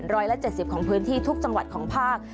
ร้อยละ๗๐ของพื้นที่ทุกจังหวัดของภาค